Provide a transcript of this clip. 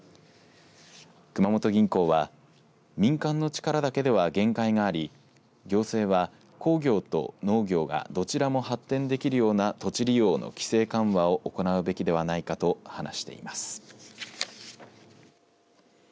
熊本銀行は民間の力だけでは限界があり行政は工業と農業がどちらも発展できるような土地利用の規制緩和を行うべきではないかと話しています。